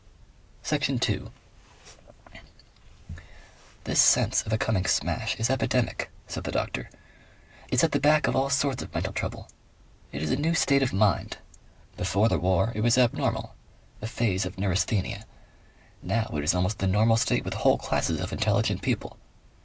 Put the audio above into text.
Section 2 "This sense of a coming smash is epidemic," said the doctor. "It's at the back of all sorts of mental trouble. It is a new state of mind. Before the war it was abnormal a phase of neurasthenia. Now it is almost the normal state with whole classes of intelligent people.